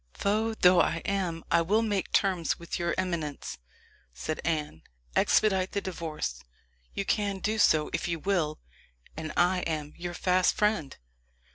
"Foe though I am, I will make terms with your eminence," said Anne. "Expedite the divorce you can do so if you will and I am your fast friend."